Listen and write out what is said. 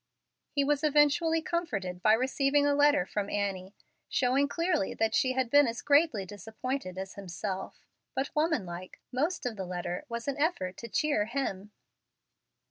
He was eventually comforted by receiving a letter from Annie, showing clearly that she had been as greatly disappointed as himself; but, woman like, most of the letter was an effort to cheer him.